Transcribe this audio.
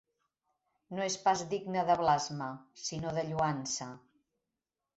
No és pas digne de blasme, sinó de lloança.